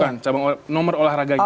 bukan nomor olahraganya